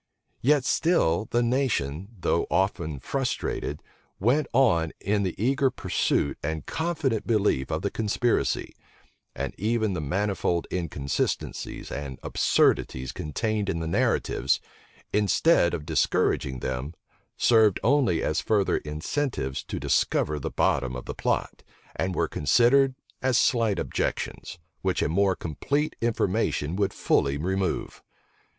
Yet still the nation, though often frustrated, went on in the eager pursuit and confident belief of the conspiracy: and even the manifold inconsistencies and absurdities contained in the narratives, instead of discouraging them, served only as further incentives to discover the bottom of the plot, and were considered as slight objections, which a more complete information would fully remove.